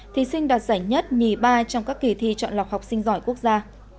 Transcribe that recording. thí sinh đạt giải nhất nhì ba trong các kỳ thi chọn lọc học sinh giỏi quốc gia